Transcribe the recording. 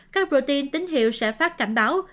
các protein tín hiệu sẽ phát cảnh báo